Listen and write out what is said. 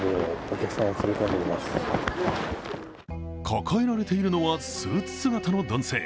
抱えられているのはスーツ姿の男性。